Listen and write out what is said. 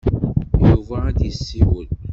Yuba ad d-yessiwel.